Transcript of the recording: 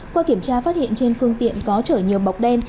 qua kiểm tra phát hiện trên phương tiện có chở nhiều bọc đen